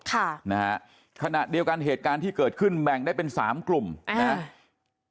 ค่ะนะฮะขณะเดียวกันเหตุการณ์ที่เกิดขึ้นแบ่งได้เป็นสามกลุ่มอ่านะฮะ